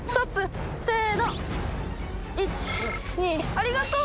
ありがとう。